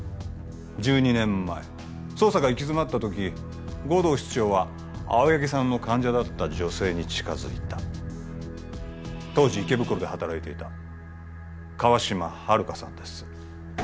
１２年前捜査が行き詰まった時護道室長は青柳さんの患者だった女性に近づいた当時池袋で働いていた川島春香さんです